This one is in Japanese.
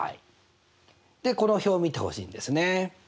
でこの表を見てほしいんですね。